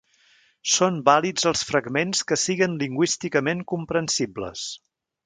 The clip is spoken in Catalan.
Són vàlids els fragments que siguen lingüísticament comprensibles.